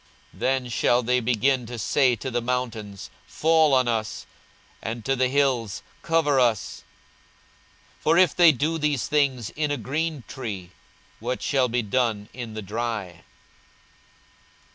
42:023:030 Then shall they begin to say to the mountains, Fall on us; and to the hills, Cover us. 42:023:031 For if they do these things in a green tree, what shall be done in the dry?